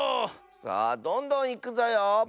さあどんどんいくぞよ！